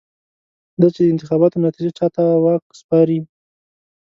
دا چې د انتخاباتو نتېجه چا ته واک سپاري.